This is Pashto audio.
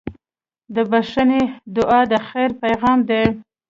د بښنې دعا د خیر پیغام دی.